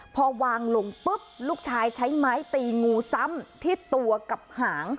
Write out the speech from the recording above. พอวางลงปุ๊บลูกชายใช้ไม้ตีงูซ้ำที่ตัวกับหาง